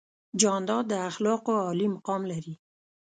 جانداد د اخلاقو عالي مقام لري.